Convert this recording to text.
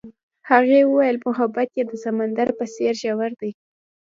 هغې وویل محبت یې د سمندر په څېر ژور دی.